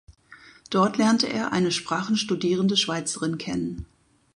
Dort lernte er eine Sprachen studierende Schweizerin kennen.